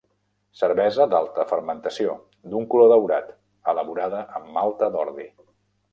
Cervesa d'alta fermentació, d'un color daurat, elaborada amb malta d'ordi.